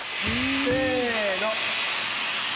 せの！